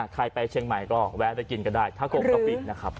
ใครไปเชียงใหม่ก็แวะไปกินก็ได้ผ้ากงกะปินะครับ